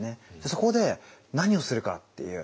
そこで何をするかっていう。